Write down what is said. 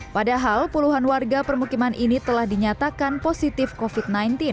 padahal puluhan warga permukiman ini telah dinyatakan positif covid sembilan belas